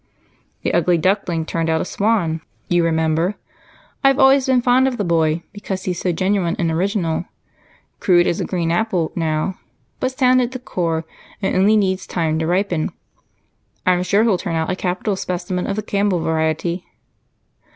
"The Ugly Duckling turned out a swan, you remember. I've always been fond of the boy because he's so genuine and original. Crude as a green apple now, but sound at the core, and only needs time to ripen. I'm sure he'll turn out a capital specimen of the Campbell variety."